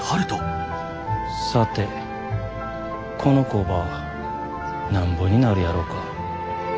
さてこの工場なんぼになるやろか。